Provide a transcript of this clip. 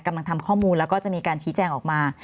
กำลังทำข้อมูลแล้วก็จะมีการชี้แจงออกมา